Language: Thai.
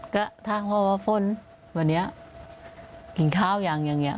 ก็ถามพ่อว่าฝนวันนี้กินข้าวยังอย่างนี้